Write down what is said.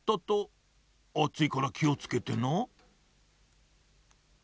あついからきをつけてな。